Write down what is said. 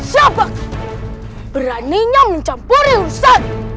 siapakah beraninya mencampuri urusan